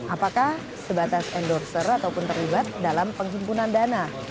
apakah sebatas endorser ataupun terlibat dalam penghimpunan dana